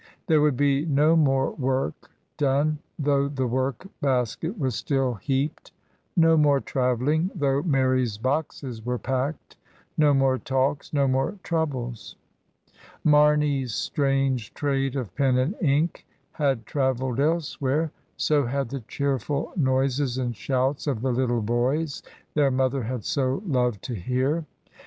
There would be no more work done, though the work basket was still heaped; no more travelling, though Mary's boxes were packed; no more talks, no more troubles. Marney's strange trade of pen and ink had travelled elsewhere; so had the cheerful noises and shouts of the little boys their mother had so loved to hear.